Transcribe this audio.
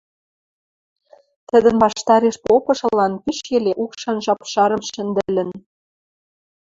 тӹдӹн ваштареш попышылан пиш йӹле укшан шапшарым шӹндӹлӹн.